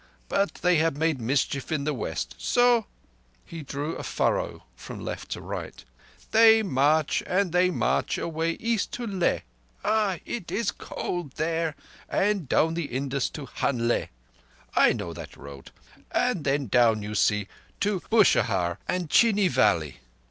But they have made mischief in the West. So"—he drew a furrow from left to right—"they march and they march away East to Leh (ah! it is cold there), and down the Indus to Hanlé (I know that road), and then down, you see, to Bushahr and Chini valley.